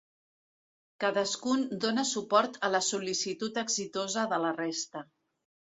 Cadascun dona suport a la sol·licitud exitosa de la resta.